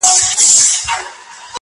• نو گراني تاته وايم.